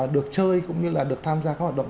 được chơi cũng như là được tham gia các hoạt động